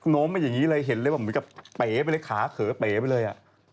โน้มมาอย่างนี้เลยเห็นเลยว่าผมก็เป๋ไปเลยขาเขาเป๋ไปเลย